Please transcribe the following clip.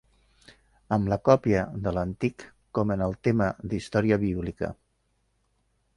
En la còpia de l'antic com en el tema d'història bíblica